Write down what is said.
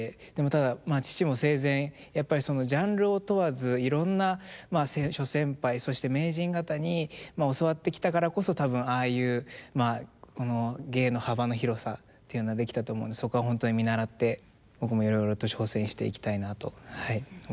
ただ父も生前やっぱりジャンルを問わずいろんな諸先輩そして名人方に教わってきたからこそ多分ああいう芸の幅の広さというのはできたと思うのでそこは本当に見習って僕もいろいろと挑戦していきたいなとはい思います。